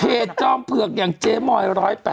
จอมเผือกอย่างเจ๊มอย๑๐๘